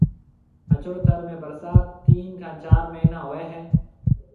اڇڙو ٿر ۾ ڀرسات تين کان چار مھيَََنا ھوئيَ ھيََََ